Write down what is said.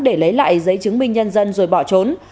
để lấy lại giấy chứng minh nhân dân rồi bỏ trốn